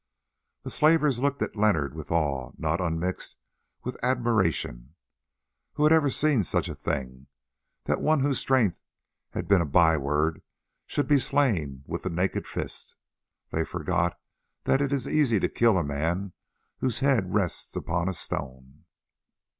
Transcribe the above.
The slavers looked at Leonard with awe not unmixed with admiration. Who had ever seen such a thing, that one whose strength had been a byword should be slain with the naked fist? They forgot that it is easy to kill the man whose head rests upon a stone.